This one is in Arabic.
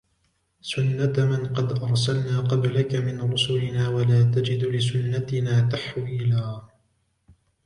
سنة من قد أرسلنا قبلك من رسلنا ولا تجد لسنتنا تحويلا